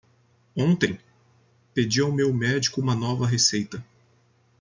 Ontem? Pedi ao meu médico uma nova receita.